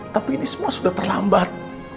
tapi ini semua sudah terlambat